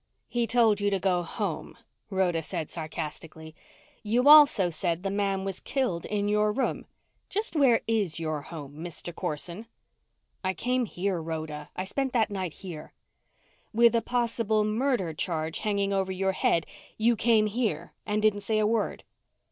"He told you to go home," Rhoda said sarcastically. "You also said the man was killed in your room. Just where is your home, Mr. Corson?" "I came here, Rhoda. I spent that night here." "With a possible murder charge hanging over your head, you came here and didn't say a word!"